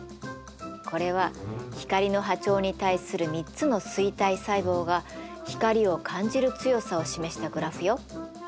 これは光の波長に対する３つの錐体細胞が光を感じる強さを示したグラフよ。